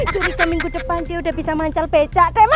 jadi ke minggu depan dia udah bisa mancal becak kayak mas